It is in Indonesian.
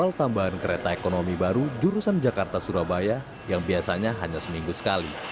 tol tambahan kereta ekonomi baru jurusan jakarta surabaya yang biasanya hanya seminggu sekali